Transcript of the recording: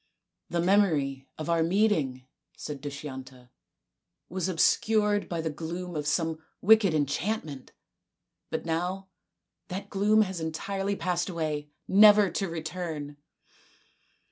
" The memory of our meeting," said Dushyanta, " was obscured by the gloom of some wicked en chantment. But now that gloom has entirely passed away never to return."